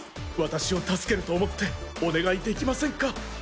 私を助けると思ってお願いできませんか？